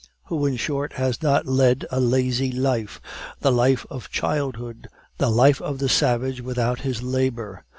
Who, in short, has not led a lazy life, the life of childhood, the life of the savage without his labor?